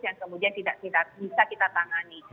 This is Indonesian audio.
yang kemudian tidak bisa kita tangani